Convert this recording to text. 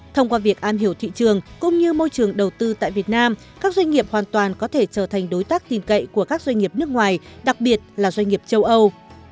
thông qua việc am hiểu thị trường cũng như môi trường đầu tư tại việt nam các doanh nghiệp hoàn toàn có thể trở thành đối tác tin cậy của các doanh nghiệp nước ngoài đặc biệt là doanh nghiệp châu âu